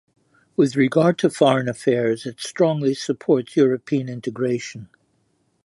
With regard to foreign affairs it strongly supports European integration.